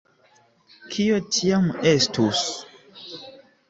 Kio tiam estus?